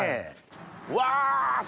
うわ！